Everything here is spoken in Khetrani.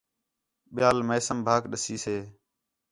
ٻیال میثم بھاک ݙسیسے